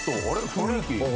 雰囲気。